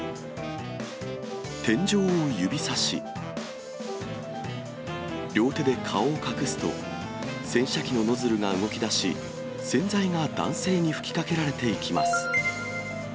天井を指さし、両手で顔を隠すと、洗車機のノズルが動きだし、洗剤が男性に吹きかけられていきます。